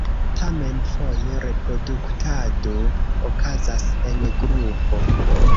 Tamen foje reproduktado okazas en grupo.